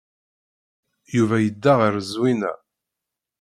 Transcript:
Yuba yedda ɣer Zwina.